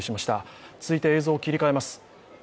続いて映像を切り替えます。